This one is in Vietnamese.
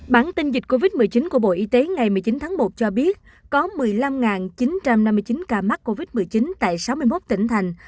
bản tin dịch covid một mươi chín của bộ y tế ngày một mươi chín tháng một cho biết có một mươi năm chín trăm năm mươi chín ca mắc covid một mươi chín tại sáu mươi một tỉnh thành